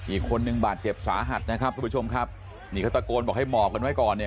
อีกคนนึงบาดเจ็บสาหัสนะครับทุกผู้ชมครับนี่เขาตะโกนบอกให้หมอบกันไว้ก่อนเนี่ย